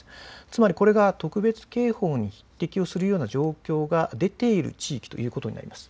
つまり、これが特別警報に匹敵するような状況が出ている地域ということになります。